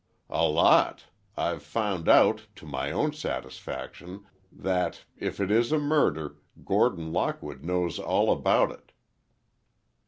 "A lot. I've found out, to my own satisfaction, that—if it is a murder—Gordon Lockwood knows all about it."